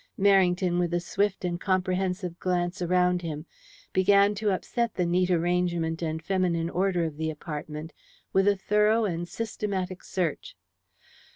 Merrington, with a swift and comprehensive glance around him, began to upset the neat arrangement and feminine order of the apartment with a thorough and systematic search.